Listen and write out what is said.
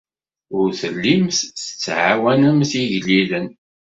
Ur tellimt tettɛawanemt igellilen.